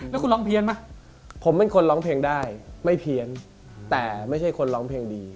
แล้วคุณร้องเพี้ยนไหมผมเป็นคนร้องเพลงได้ไม่เพี้ยนแต่ไม่ใช่คนร้องเพลงดี